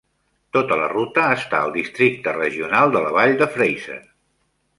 Tota la ruta està al Districte regional de la vall de Fraser.